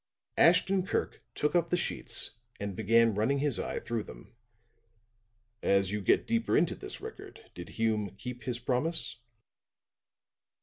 Ashton Kirk took up the sheets and began running his eye through them. "As you get deeper into this record, did Hume keep his promise?"